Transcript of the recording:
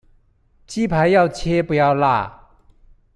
雞排要切不要辣